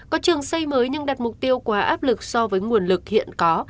có trường xây mới nhưng đặt mục tiêu quá áp lực so với nguồn lực hiện có